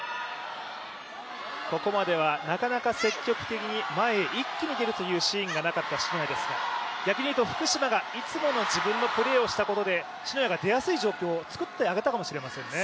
ここまではなかなか積極的に前へ一気に出るというシーンがなかった篠谷ですが、逆に言うと福島がいつもの自分のプレーをしたことで篠谷が出やすい状況を作ってあげたかもしれないですね。